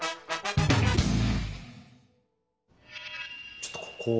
ちょっとここは？